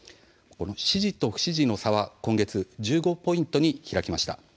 支持と不支持の差は今月１５ポイントに開きました。